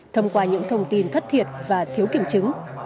thông qua những thông tin thất thiệt và thiếu kiểm chứng